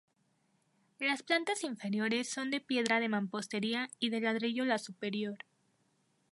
Las plantas inferiores son de piedra de mampostería y de ladrillo la superior.